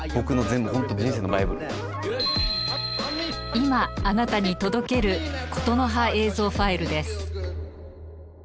今あなたに届ける「言の葉映像ファイル」です。